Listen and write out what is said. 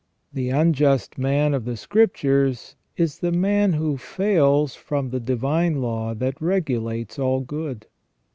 The unjust man of the Scriptures is the man who fails from the divine law that regulates all good.